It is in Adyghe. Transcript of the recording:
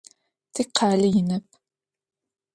Тикъалэ инэп.